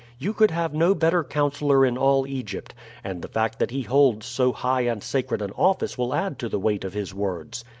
You could have no better counselor in all Egypt, and the fact that he holds so high and sacred an office will add to the weight of his words.